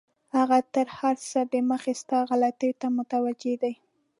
هغه تر هر څه دمخه ستا غلطیو ته متوجه دی.